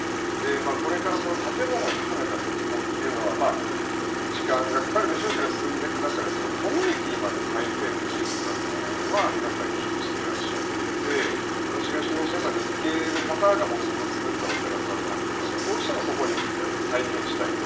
これから建物を含めた復興というのは時間がかかるでしょうけど進んでいく中でコミュニティーまで再生できるのかというのは皆さん気にしてらっしゃっていて私が取材した日系の方が元々作ったお寺さんなんかもどうしてもそこに再建したいと。